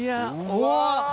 うわ！